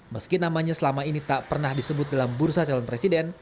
meski namanya selama ini tak pernah disebut dalam bursa calon presiden